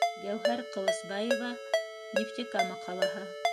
Гәүһәр ҠЫЛЫСБАЕВА, Нефтекама ҡалаһы: